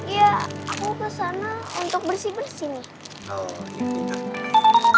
iya aku ke sana untuk bersih bersih